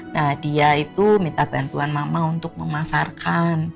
nah dia itu minta bantuan mama untuk memasarkan